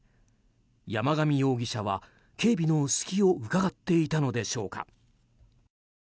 山上容疑者は警備の隙をうかがっていたのでしょうか。